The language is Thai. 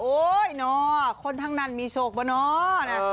เนาะคนทั้งนั้นมีโชคปะเนาะ